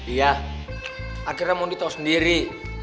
iya akhirnya mondi tau sendiri